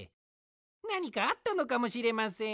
なにかあったのかもしれません。